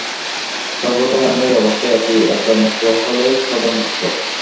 সর্বদাই আমরা এই অবস্থায় আছি, একবার মু্ক্ত হইলেই সদামু্ক্ত।